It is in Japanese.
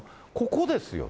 ここですよ